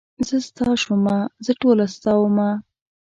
زه ستا شومه زه ټوله ستا ومه.